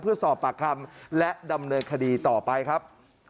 เพื่อสอบปากคำและดำเนินคดีต่อไปครับ